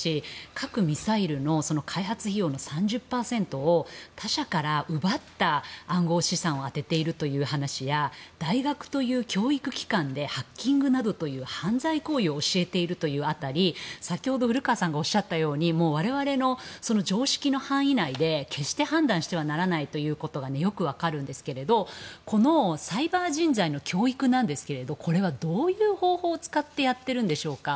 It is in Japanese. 核・ミサイルの開発費用の３０％を他者から奪った暗号資産を充てているという話や大学という教育機関でハッキングなどという犯罪行為を教えているという辺り先ほど古川さんがおっしゃったとおり我々の常識の範囲内で、決して判断してはならないということがよく分かるんですけどもサイバー人材の教育とはこれはどういう方法を使ってやってるんでしょうか。